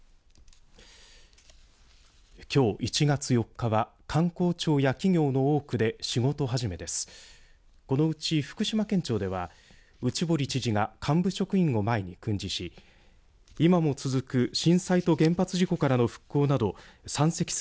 きょう１月４日は官公庁や企業の多くで仕事始めです。